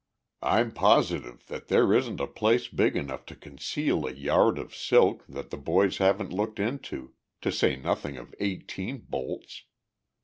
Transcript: I'm positive that there isn't a place big enough to conceal a yard of silk that the boys haven't looked into to say nothing of eighteen bolts.